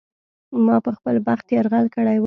ما په خپل بخت یرغل کړی و.